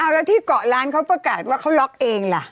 แล้วที่เกาะล้านเขาประกาศว่าเขาล็อกเองล่ะ